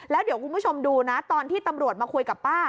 แล้วเดี๋ยวคุณผู้ชมดูนะตอนที่ตำรวจมาคุยกับป้า